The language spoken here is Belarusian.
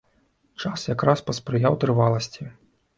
Час якраз паспрыяў трываласці.